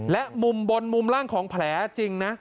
และมุมบนมุมล่างของแผลจริงนะ